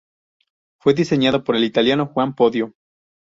Fue diseñado por el italiano Juan Podio.